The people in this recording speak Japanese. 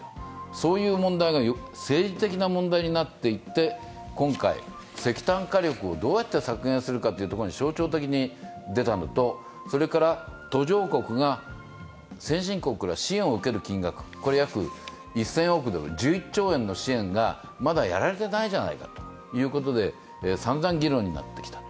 そういう問題が政治的な問題になっていって、今回、石炭火力をどうやって削減するかというところに象徴的に出たのと、それから途上国が先進国から支援を受ける金額、約１０００億ドル、１１兆円の支援がまだやられていないじゃないかということでさんざん議論になってきた。